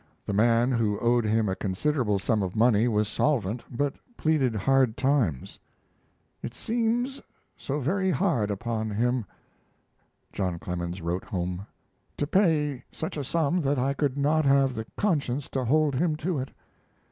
The man who owed him a considerable sum of money was solvent, but pleaded hard times: It seems so very hard upon him [John Clemens wrote home] to pay such a sum that I could not have the conscience to hold him to it.